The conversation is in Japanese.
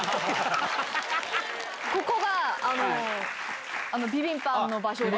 ここがビビンバの場所です。